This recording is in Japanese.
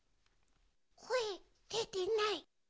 こえでてない。